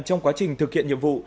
trong quá trình thực hiện nhiệm vụ